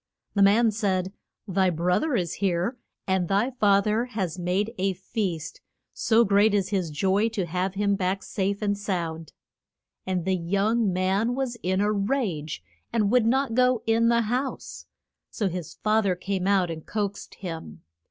The man said, Thy broth er is here, and thy fa ther has made a feast, so great is his joy to have him back safe and sound. And the young man was in a rage, and would not go in the house; so his fa ther came out and coaxed him.